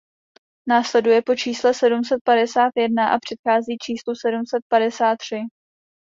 Následuje po čísle sedm set padesát jedna a předchází číslu sedm set padesát tři.